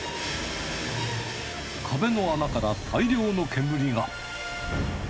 壁の穴から大量の煙が。